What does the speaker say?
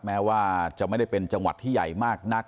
แม้ว่าจะไม่ได้เป็นจังหวัดที่ใหญ่มากนัก